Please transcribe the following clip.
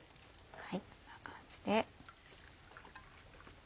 こんな感じで。